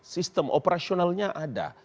sistem operasionalnya ada